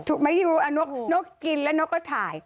ถูกไหมยุ๊นกกินแล้วนกก็ถ่าย